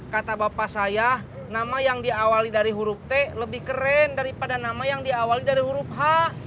kata bapak saya nama yang diawali dari huruf t lebih keren daripada nama yang diawali dari huruf h